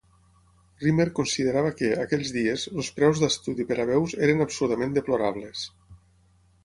Rimmer considerava que, aquells dies, els preus d'estudi per a veus eren "absolutament deplorables".